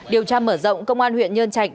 điều tra mở rộng công an huyện nhân trạch